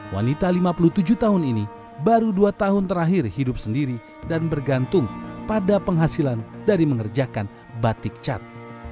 wanita lima puluh tujuh tahun ini baru dua tahun terakhir hidup sendiri dan bergantung pada penghasilan dari mengerjakan batik cat